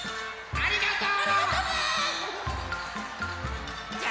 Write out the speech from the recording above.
ありがとう！